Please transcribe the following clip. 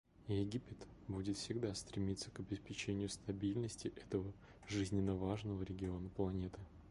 Египет будет всегда стремиться к обеспечению стабильности этого жизненно важного региона планеты.